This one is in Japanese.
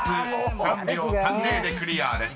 ３秒３０でクリアです］